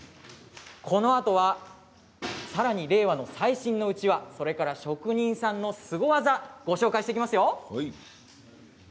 このあとは、さらに令和の最新のうちわそれから職人さんのスゴ技ご紹介していきますよ。